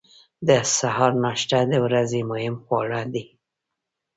د سهار ناشته د ورځې مهم خواړه دي.